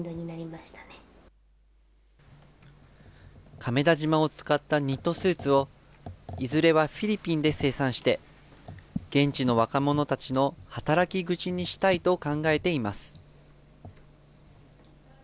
亀田縞を使ったニットスーツを、いずれはフィリピンで生産して、現地の若者たちの働き口にしたいと考えています。